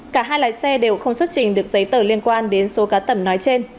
cả hai lái xe đều không xuất trình được giấy tờ liên quan đến số cá tẩm nói trên